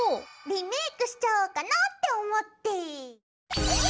リメイクしちゃおうかなって思って！